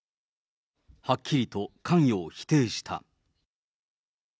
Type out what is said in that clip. はっきりと関与を否定した。